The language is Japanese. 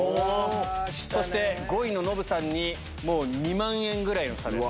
そして５位のノブさんに２万円ぐらいの差。